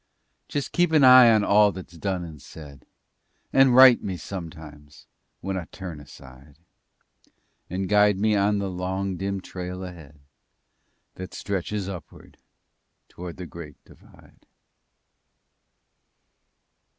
Just keep an eye on all that's done and said And right me, sometimes, when I turn aside, And guide me on the long, dim trail ahead That stretches upward toward the Great Divide.